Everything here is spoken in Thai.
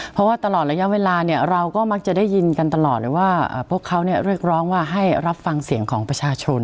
เพราะว่าตลอดระยะเวลาเนี่ยเราก็มักจะได้ยินกันตลอดเลยว่าพวกเขาเรียกร้องว่าให้รับฟังเสียงของประชาชน